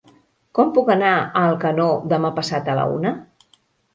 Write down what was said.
Com puc anar a Alcanó demà passat a la una?